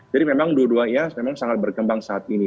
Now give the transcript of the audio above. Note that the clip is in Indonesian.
jadi memang dua duanya memang sangat berkembang saat ini